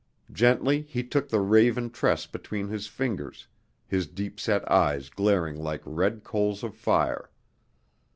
Gently he took the raven tress between his fingers, his deep set eyes glaring like red coals of fire.